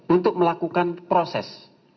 untuk melakukan proses